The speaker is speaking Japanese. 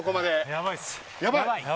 やばい。